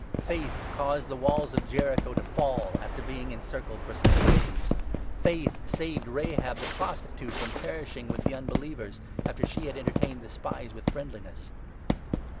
Faith caused the walls of Jericho to fall after 30 being encircled for seven days. Faith saved Rahab, 31 the prostitute, from perishing with the unbelievers, after she had entertained the spies with friendliness.